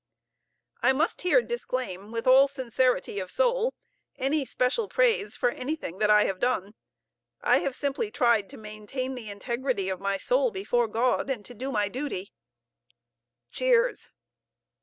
I must here disclaim, with all sincerity of soul, any special praise for anything that I have done. I have simply tried to maintain the integrity of my soul before God, and to do my duty. (Cheers.)